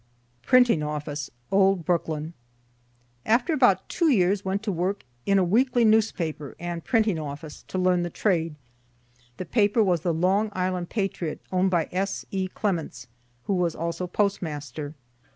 PRINTING OFFICE OLD BROOKLYN After about two years went to work in a weekly newspaper and printing office, to learn the trade. The paper was the "Long Island Patriot," owned by S. E. Clements, who was also postmaster.